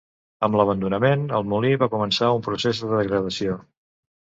Amb l'abandonament el molí va començar un procés de degradació.